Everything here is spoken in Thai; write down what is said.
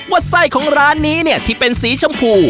ไส้ของร้านนี้เนี่ยที่เป็นสีชมพู